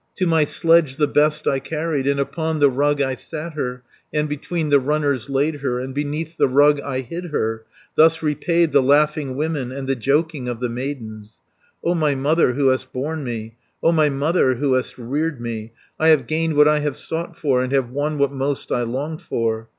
To my sledge the best I carried, And upon the rug I sat her, And between the runners laid her, And beneath the rug I hid her; 360 Thus repaid the laughing women, And the joking of the maidens. "O my mother, who hast borne me, O my mother, who hast reared me, I have gained what I have sought for, And have won what most I longed for.